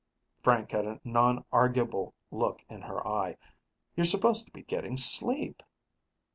Frank had a nonarguable look in her eye. "You're supposed to be getting sleep."